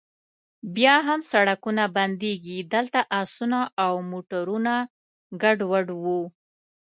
بیا هم سړکونه بندیږي، دلته اسونه او موټرونه ګډوډ و.